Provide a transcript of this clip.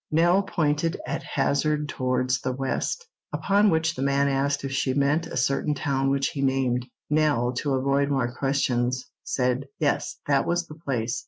Nell pointed at hazard towards the west, upon which the man asked if she meant a certain town which he named. Nell, to avoid more questions, said, "Yes, that was the place."